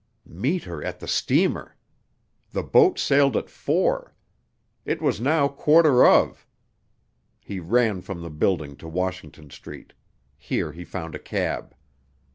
Meet her at the steamer! The boat sailed at four. It was now quarter of. He ran from the building to Washington street. Here he found a cab.